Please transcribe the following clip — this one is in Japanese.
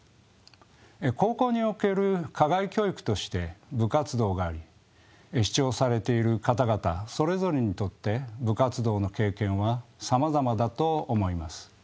高校における課外教育として部活動があり視聴されている方々それぞれにとって部活動の経験はさまざまだと思います。